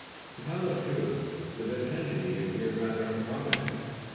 To tell the truth, the vicinity appeared rather unpromising.